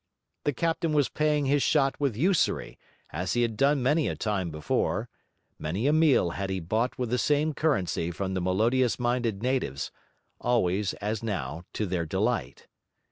The captain was paying his shot with usury, as he had done many a time before; many a meal had he bought with the same currency from the melodious minded natives, always, as now, to their delight.